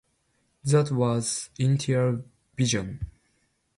That was the initial vision.